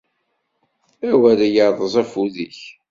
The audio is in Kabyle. Awer iṛṛeẓ afud-ik.